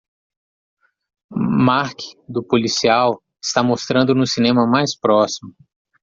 Mark do Policial está mostrando no cinema mais próximo